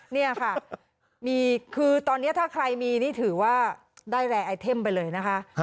นี่ค่ะคือตอนนี้ถ้าใครมีนี่ถือว่าได้แรร์ไอเทมไปเลยนะคะ